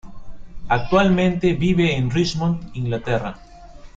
Actualmente vive en Richmond, Inglaterra.